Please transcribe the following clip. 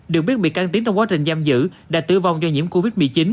được biết bị can tiến trong quá trình giam giữ đã tử vong do nhiễm covid một mươi chín